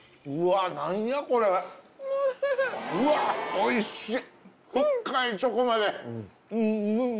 おいしい。